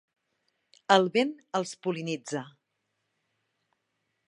El vent els pol·linitza.